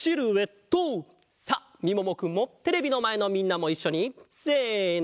さあみももくんもテレビのまえのみんなもいっしょにせの。